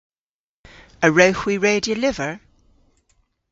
A wrewgh hwi redya lyver?